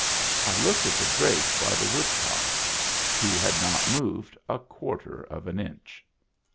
I looked at the drake by the woodpile. He had not moved a quarter of an inch.